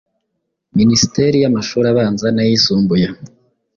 Minisiteri y’Amashuri Abanza n’Ayisumbuye,